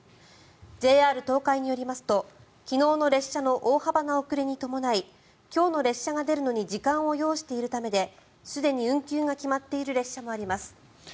ＪＲ東海によりますと昨日の列車の大幅な遅れに伴い今日の列車が出るのに時間を要しているためですでに運休が決まっている列車もあります。